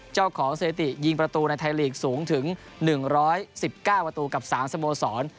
สถิติยิงประตูในไทยลีกสูงถึง๑๑๙ประตูกับ๓สโมสร